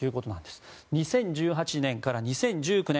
２０１８年から２０１９年